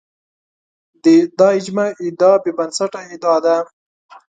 د اجماع ادعا بې بنسټه ادعا ده